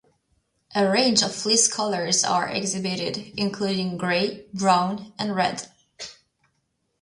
A range of fleece colours are exhibited, including grey, brown and red.